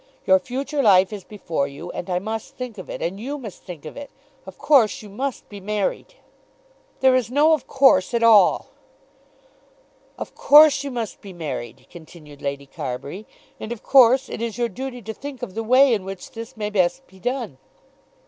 Your future life is before you, and I must think of it, and you must think of it. Of course you must be married." "There is no of course at all." "Of course you must be married," continued Lady Carbury, "and of course it is your duty to think of the way in which this may be best done.